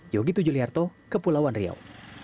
yogi tujuliarto kepulauan riau